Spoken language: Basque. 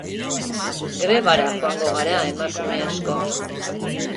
Grebara joango gara emakume asko